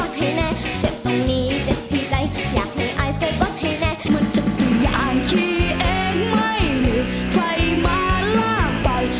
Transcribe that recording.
มันจะเป็นอย่างที่เองไม่มีใครมาลากไป